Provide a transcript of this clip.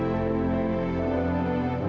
kenapa kamu tidur di sini sayang